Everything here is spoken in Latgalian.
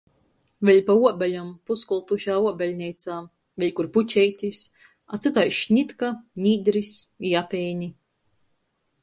Vēļ pa uobeļam puskoltušā uobeļneicā, vēļ kur pučeitis, a cytaiž šnitka, nīdris i apeini.